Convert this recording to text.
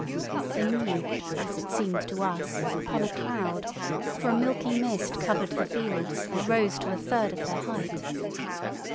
They moved, as it seemed to us, upon a cloud, for a milky mist covered the fields and rose to a third of their height.